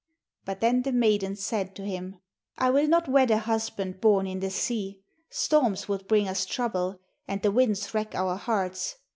But then the maiden said to him: 'I will not wed a husband born in the sea. Storms would bring us trouble, and the winds rack our hearts.